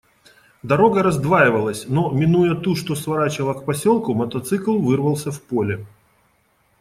Дорога раздваивалась, но, минуя ту, что сворачивала к поселку, мотоцикл вырвался в поле.